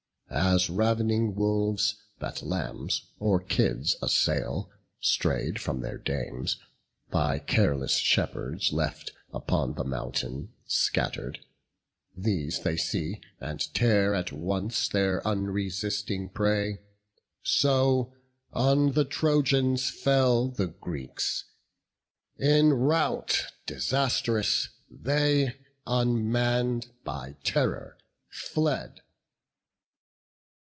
As rav'ning wolves, that lambs or kids assail, Stray'd from their dams, by careless shepherds left Upon the mountain scatter'd; these they see, And tear at once their unresisting prey; So on the Trojans fell the Greeks; in rout Disastrous they, unmann'd by terror, fled.